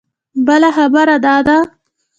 بله خبره دا ده.